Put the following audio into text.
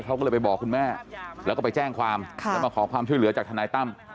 เขาก็เลยไปบอกคุณแม่แล้วก็ไปแจ้งความแล้วมาขอความช่วยเหลือจากทนายตั้ม